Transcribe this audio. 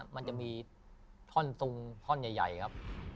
มันจะมีท่อนตุงท่อนใหญ่ครับ